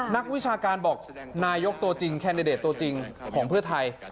นักวิชาการบอกนายกตัวจริงแคนดิเดตตัวจริงของเพื่อไทย